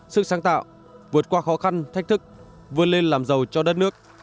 sức sáng tạo vượt qua khó khăn thách thức vươn lên làm giàu cho đất nước